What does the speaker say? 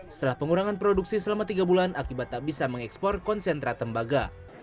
setelah pengurangan produksi selama tiga bulan akibat tak bisa mengekspor konsentrat tembaga